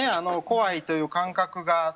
怖いという感覚が。